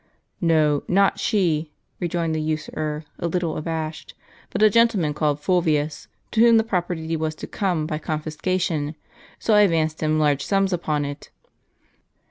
"No, not s7ie," rejoined the usurer, a little abashed; "but a gentleman called Fulvius, to whom the property was to come by confiscation ; so I advanced him large sums upon it."